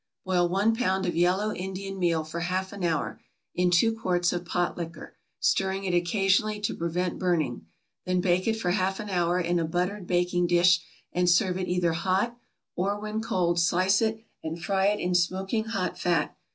= Boil one pound of yellow Indian meal for half an hour, in two quarts of pot liquor, stirring it occasionally to prevent burning; then bake it for half an hour in a buttered baking dish, and serve it either hot; or, when cold, slice it and fry it in smoking hot fat.